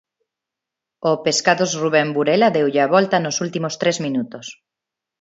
O Pescados Rubén Burela deulle a volta nos últimos tres minutos.